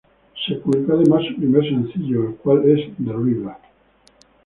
Se publicó además su primer sencillo, el cual es "The River".